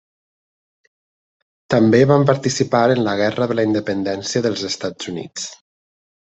També van participar en la Guerra de la Independència dels Estats Units.